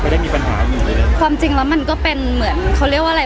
ได้มีปัญหาอยู่เลยนะความจริงแล้วมันก็เป็นเหมือนเขาเรียกว่าอะไร